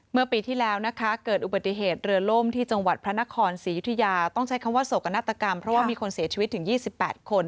เมื่อปีที่แล้วนะคะเกิดอุบัติเหตุเรือล่มที่จังหวัดพระนครศรียุธยาต้องใช้คำว่าโศกนาฏกรรมเพราะว่ามีคนเสียชีวิตถึง๒๘คน